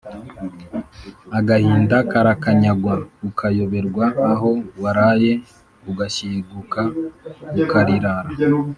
agahinda karakanyagwa, ukayoberwa aho waraye ugashiguka ukalirara